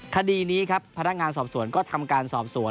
คดีนี้ครับพนักงานสอบสวนก็ทำการสอบสวน